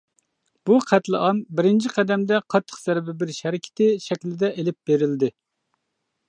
بۇ قەتلىئام بىرىنچى قەدەمدە «قاتتىق زەربە بېرىش ھەرىكىتى» شەكلىدە ئېلىپ بېرىلدى.